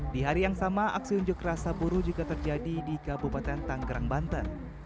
di hari yang sama aksi unjuk rasa buruh juga terjadi di kabupaten tanggerang banten